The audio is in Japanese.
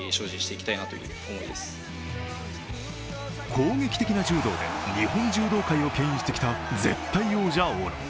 攻撃的な柔道で日本柔道界をけん引してきた絶対王者・大野。